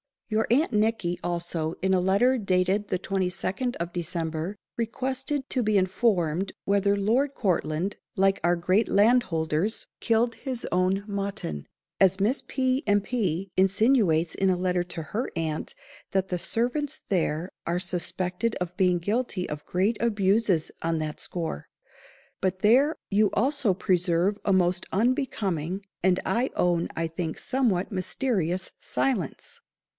_ Your Aunt Nicky, also, in a letter, dated the 22d of December, requested to be informed whether Lord Courtland (like our great landholders) killed his own mutton, as Miss P. M'P. insinuates in a letter to her aunt, that the servants there are suspected of being guilty of great abuses on that score; but there you also preserve a most unbecoming, and I own I think _somewhat mysterious silence.